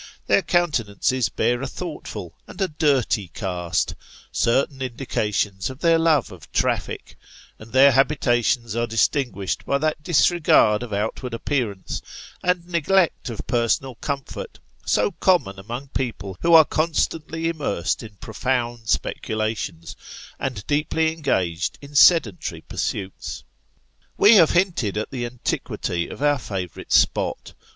Their countenances bear a thoughtful and a dirty cast, certain indications of their love of traffic; and their habitations are distinguished by that disregard of outward appearance and neglect of personal comfort, so common among people who are constantly immersed in profound speculations, and deeply engaged in sedentary pursuits. We have hinted at the antiquity of our favourite spot.